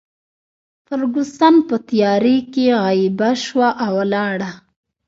فرګوسن په تیارې کې غیبه شوه او ولاړه.